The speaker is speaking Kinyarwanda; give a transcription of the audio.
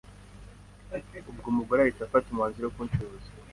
ubwo umugore ahita afata umwanzuro wo kuncuruza